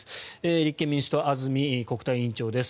立憲民主党安住国対委員長です。